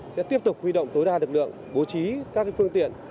sẽ tiếp tục huy động tối đa lực lượng bố trí các phương tiện